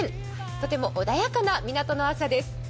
とても穏やかな港の朝です。